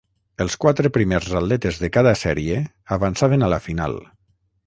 Els quatre primers atletes de cada sèrie avançaven a la final.